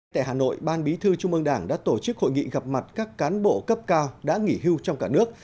tại hà nội ban bí thư trung ương đảng đã tổ chức hội nghị gặp mặt các cán bộ cấp cao đã nghỉ hưu trong cả nước